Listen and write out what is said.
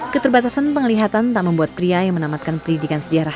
keterbatasan penglihatan tak membuat pria yang menamatkan pelidikan sediarah